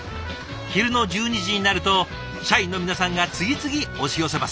昼の１２時になると社員の皆さんが次々押し寄せます。